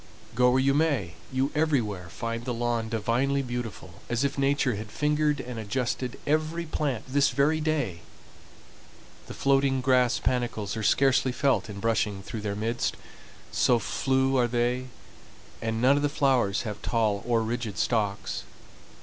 Go where you may, you everywhere find the lawn divinely beautiful, as if Nature had fingered and adjusted every plant this very day. The floating grass panicles are scarcely felt in brushing through their midst, so flue are they, and none of the flowers have tall or rigid stalks.